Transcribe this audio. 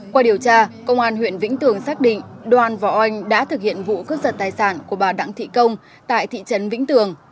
qua điều tra công an huyện vĩnh tường xác định đoan và oanh đã thực hiện vụ cướp giật tài sản của bà đặng thị công tại thị trấn vĩnh tường